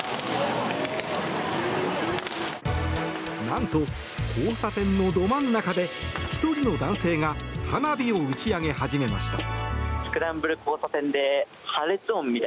何と交差点のど真ん中で１人の男性が花火を打ち上げ始めました。